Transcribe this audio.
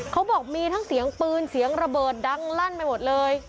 เขาบอกมีทั้งเสียงปืนเสียงระเบิดดังลั่นไปหมดเลย